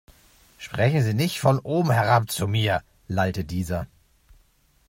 Sprechen Sie nicht von oben herab zu mir, lallte dieser.